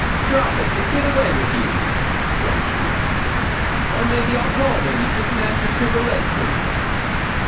'Drop it, and get away wi' ye,' cried she, 'or maybe I'd call Winny to smash your timber leg for you.'